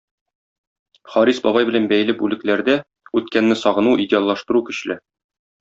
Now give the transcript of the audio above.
Харис бабай белән бәйле бүлекләрдә үткәнне сагыну, идеаллаштыру көчле.